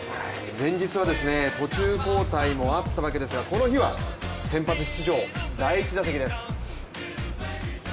前日は途中交代もあったわけですが、この日は先発出場第１打席です。